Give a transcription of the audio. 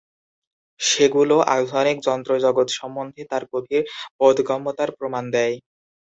সেগুলো আধুনিক যন্ত্র জগৎ সম্বন্ধে তাঁর গভীর বোধগম্যতার প্রমাণ দেয়।